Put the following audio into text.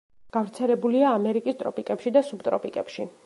გავრცელებულია ამერიკის ტროპიკებში და სუბტროპიკებში.